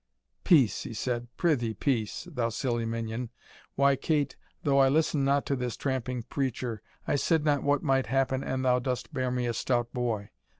"Peace," he said, "prithee, peace, thou silly minion why, Kate, though I listen not to this tramping preacher, I said not what might happen an thou dost bear me a stout boy.